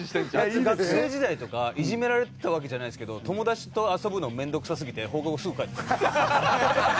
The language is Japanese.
あいつ学生時代とかいじめられてたわけじゃないですけど友達と遊ぶの面倒くさすぎて放課後すぐ帰ってた。